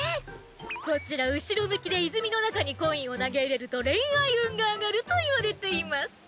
こちら後ろ向きで泉の中にコインを投げ入れると恋愛運が上がると言われています。